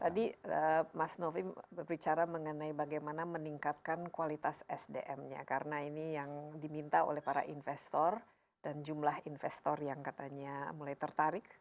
tadi mas novi berbicara mengenai bagaimana meningkatkan kualitas sdm nya karena ini yang diminta oleh para investor dan jumlah investor yang katanya mulai tertarik